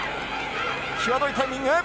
際どいタイミング。